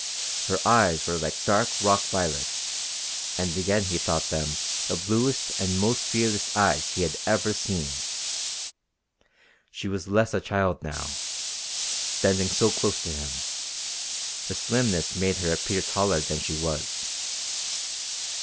Her eyes were like dark rock violets and again he thought them the bluest and most fearless eyes he had ever seen. She was less a child now, standing so close to him; her slimness made her appear taller than she was.